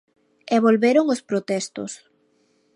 E volveron os protestos.